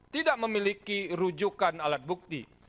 tidak memiliki rujukan alat bukti